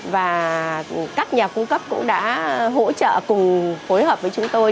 và các nhà cung cấp cũng đã hỗ trợ cùng phối hợp với chúng tôi